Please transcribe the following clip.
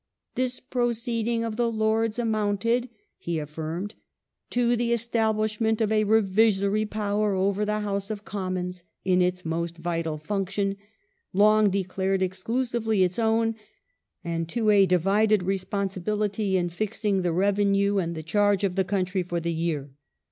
" This proceeding of the Lords amounted,'' he affirmed, '' to the establishment of a revisory power over the House of Commons in its most vital function, long declared exclusively its own, and to a divided responsibility in fixing the revenue and charge of the country for the year."